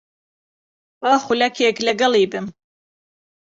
با خولەکێک لەگەڵی بم.